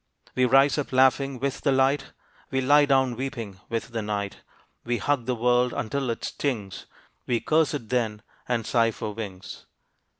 We rise up laughing with the light, We lie down weeping with the night. We hug the world until it stings, We curse it then and sigh for wings.